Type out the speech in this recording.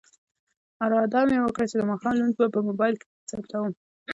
اراده مې وکړه چې د ماښام لمونځ به په موبایل کې ثبتوم.